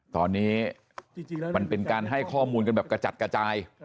ตอนนี้มันเป็นการให้ข้อมูลกันแบบกระจัดกระจาย